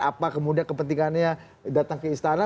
apa kemudian kepentingannya datang ke istana